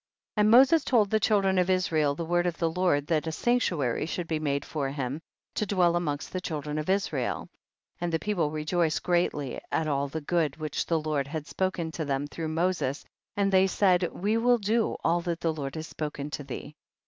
30. And Moses told tiie children of Israel the word of the Lord, that a sanctuary should be made for him, to dwell amongst the children of Is rael. 3L And the people rejoiced great ly at all the good which the Lord had spoken to them, through Moses, and they said, we will do all that the Lord has spoken to thee.